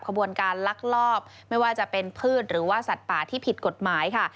ขบวนการลักลอบไม่ว่าจะเป็นพืชหรือว่าสัตว์ป่าที่ผิดกฎหมายค่ะ